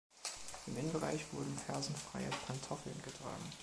Im Innenbereich wurden fersenfreie „Pantoffeln“ getragen.